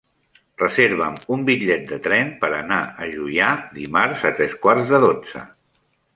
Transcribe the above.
Reserva'm un bitllet de tren per anar a Juià dimarts a tres quarts de dotze.